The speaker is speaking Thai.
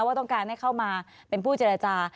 ว่าต้องการให้เข้ามาเป็นผู้เจรจา